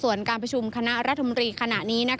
ส่วนการประชุมคณะรัฐมนตรีขณะนี้